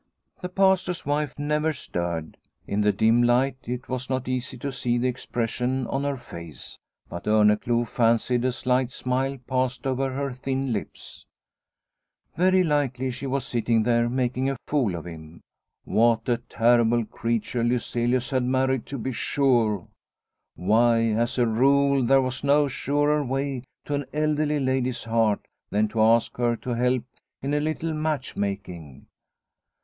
The Pastor's wife never stirred. In the dim light, it was not easy to see the expression on her face, but Orneclou fancied a slight smile passed over her thin lips. Very likely she was sitting there making a fool of him. What a terrible creature Lyselius had married to be sure ! Why, as a rule, there was no surer way to an elderly lady's heart than to ask her to help in a little match making.